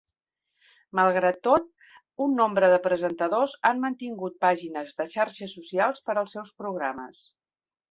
Malgrat tot, un nombre de presentadors han mantingut pàgines de xarxes socials per als seus programes.